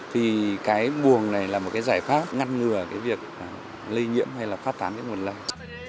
thì cái buồng này là một cái giải pháp ngăn ngừa cái việc lây nhiễm hay là phát tán cái nguồn lây